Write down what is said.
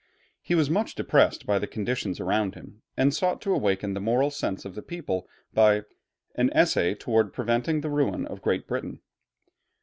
He was much depressed by the conditions around him, and sought to awaken the moral sense of the people by 'An Essay toward Preventing the Ruin of Great Britain.'